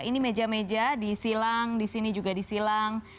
ini meja meja di silang di sini juga di silang